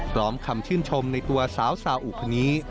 พร้อมคำชื่นชมในตัวสาวซาอุคนนี้